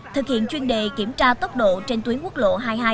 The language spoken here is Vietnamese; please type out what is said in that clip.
thực hiện chuyên đề kiểm tra tốc độ trên tuyến quốc lộ hai mươi hai